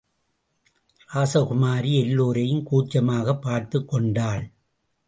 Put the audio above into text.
ராசகுமாரி எல்லோரையும் கூச்சமாகப் பார்த்துக் கொண்டாள்.